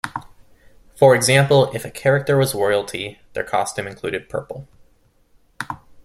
For example, if a character was royalty, their costume included purple.